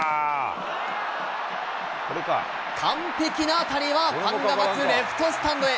完璧な当たりはファンが待つレフトスタンドへ。